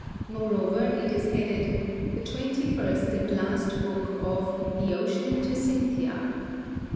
Moreover, it is headed 'the Twenty first and Last Book of The Ocean to Cynthia.'